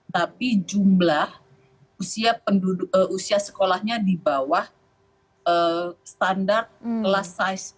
tapi jumlah usia sekolahnya di bawah standar kelas size